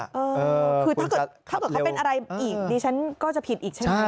เออคือถ้าเกิดเขาเป็นอะไรอีกดิฉันก็จะผิดอีกใช่ไหม